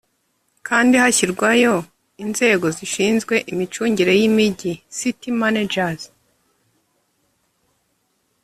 kandi hashyirwayo inzego zishinzwe imicungire y’imijyi (city managers)